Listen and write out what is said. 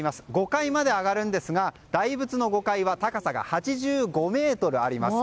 ５階まで上がるんですが大仏の５階は高さが８５ｍあります。